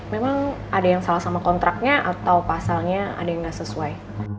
memang ada yang salah sama kontraknya atau pasalnya ada yang nggak sesuai